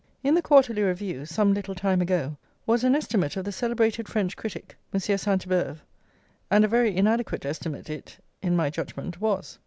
In the Quarterly Review, some little time ago, was an estimate of the celebrated French critic, Monsieur Sainte Beuve, and a very inadequate estimate it, in my judgment, was.